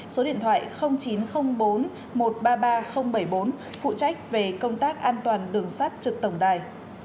số điện thoại chín trăm linh bốn một trăm ba mươi ba bảy mươi bốn phụ trách về công tác an toàn đường sắt trực tổng đài